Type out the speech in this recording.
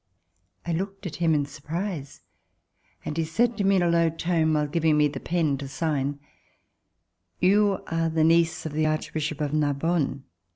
I looked at him in surprise, and he said to me in a low tone, while giving me the pen to sign: ''You are the niece of the Archbishop of Narbonne.